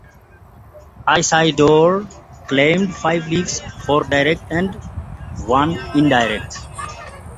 Isidore claimed five lives; four direct and one indirect.